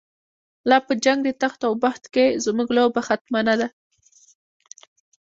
لاپه جنګ دتخت اوبخت کی، زموږ لوبه ختمه نه ده